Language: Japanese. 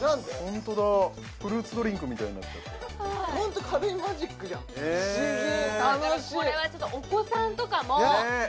ホントだフルーツドリンクみたいになっちゃってホント軽いマジックじゃん不思議楽しい喜ぶね